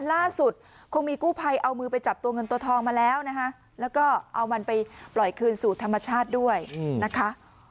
ล่าสุดคงมีกู้ภัยเอามือไปจับตัวเงินตัวทองมาแล้วนะคะแล้วก็เอามันไปปล่อยคืนสู่ธรรมชาติด้วยนะคะ